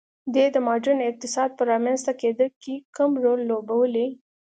دې د ماډرن اقتصاد په رامنځته کېدا کې کم رول لوبولی.